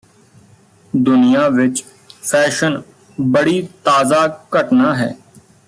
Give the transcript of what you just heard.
ਦੁਨੀਆਂ ਵਿਚ ਫੈਸ਼ਨ ਬੜੀ ਤਾਜ਼ਾ ਘਟਨਾ ਹੈ